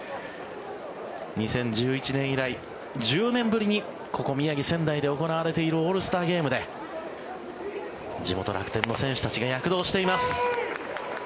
２０１１年以来１０年ぶりにここ、宮城・仙台で行われているオールスターゲームで地元、楽天の選手たちが躍動しています。